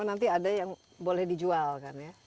nanti ada yang boleh dijual kan ya